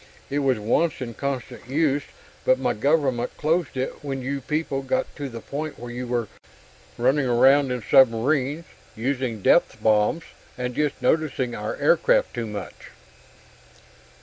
It was once in constant use, but my government closed it when you people got to the point where you were running around in submarines, using depth bombs, and just noticing our aircraft too much."